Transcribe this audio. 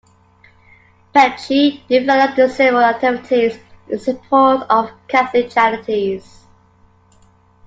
Pecci developed several activities in support of Catholic charities.